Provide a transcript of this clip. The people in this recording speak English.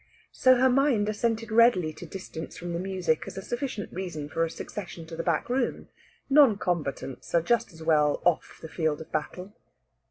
So her mind assented readily to distance from the music as a sufficient reason for a secession to the back room. Non combatants are just as well off the field of battle.